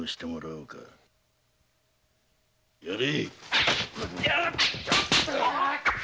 やれ！